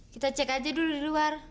kita cek aja dulu di luar